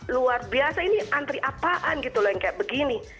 luar biasa ini antri apaan gitu loh yang kayak begini